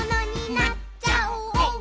「なっちゃおう」